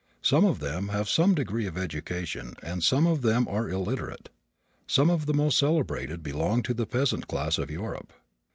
Some of them have some degree of education and some of them are illiterate. Some of the most celebrated belong to the peasant class of Europe.